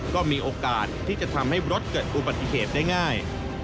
ก็มีโอกาสที่จะทำให้รถเกิดอุบัติเหตุได้ง่าย